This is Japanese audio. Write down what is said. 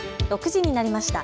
６時になりました。